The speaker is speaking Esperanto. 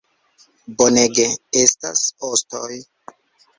Bonege, estas ostoj